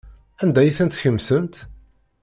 Anda ay ten-tkemsemt?